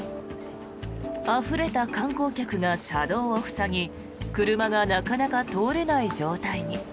あふれた観光客が車道を塞ぎ車がなかなか通れない状態に。